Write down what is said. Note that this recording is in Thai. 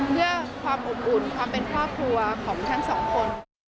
เพื่อความอบอุ่นความเป็นครอบครัวของทั้งสองคน